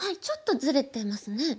ちょっとずれてますね。